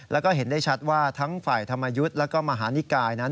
แล้วก็เห็นได้ชัดว่าทั้งฝ่ายธรรมยุทธ์แล้วก็มหานิกายนั้น